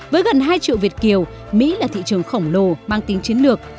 với gần hai triệu việt kiều mỹ là thị trường khổng lồ mang tính chiến lược